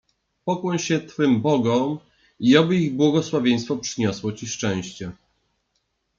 — Pokłoń się twym bogom i oby ich błogosławieństwo przyniosło ci szczęście.